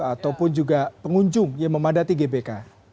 ataupun juga pengunjung yang memadati gbk